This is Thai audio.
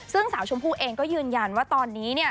ซึ่งสาวชมพู่เองก็ยืนยันว่าตอนนี้เนี่ย